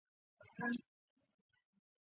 四手井纲正为日本陆军军人。